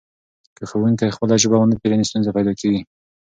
که ښوونکی خپله ژبه ونه پېژني ستونزه پیدا کېږي.